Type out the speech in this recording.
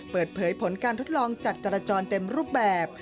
เปิดเผยผลการทดลองจัดจราจรเต็มรูปแบบ